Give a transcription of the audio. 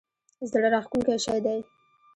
زړه راښکونکی شی دی.